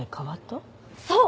そう！